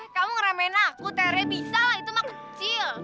kamu ngeremehin aku tere bisa lah itu mah kecil